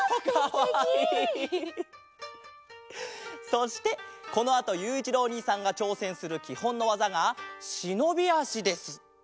そしてこのあとゆういちろうおにいさんがちょうせんするきほんのわざがしのびあしです。